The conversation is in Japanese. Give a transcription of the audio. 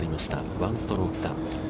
１ストローク差。